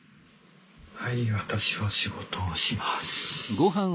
はい私は仕事をします。